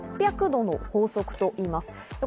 ６００度の法則といいます。